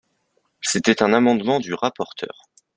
C’était un amendement du rapporteur.